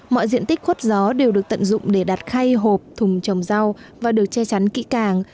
mọi diện tích khuất gió đều được tận dụng để đặt khay hộp thùng trồng rau và được che chắn kỹ càng